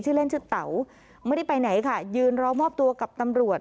เล่นชื่อเต๋าไม่ได้ไปไหนค่ะยืนรอมอบตัวกับตำรวจ